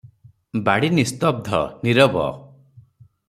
ବାଡ଼ି ନିସ୍ତବ୍ଧ, ନୀରବ ।